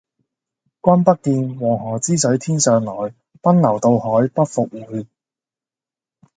君不見，黃河之水天上來，奔流到海不復回。